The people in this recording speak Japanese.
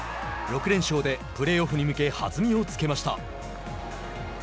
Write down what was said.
６連勝でプレーオフに向け弾みをつけました。